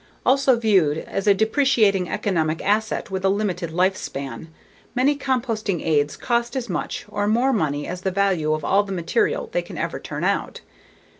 Also, viewed as a depreciating economic asset with a limited life span, many composting aids cost as much or more money as the value of all the material they can ever turn out.